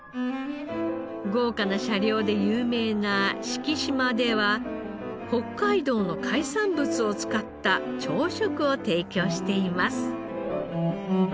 豪華な車両で有名な四季島では北海道の海産物を使った朝食を提供しています。